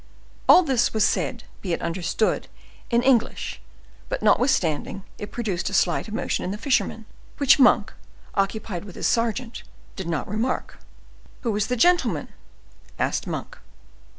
All this was said, be it understood, in English; but, notwithstanding, it produced a slight emotion in the fisherman, which Monk, occupied with his sergeant, did not remark. "Who is the gentleman?" asked Monk.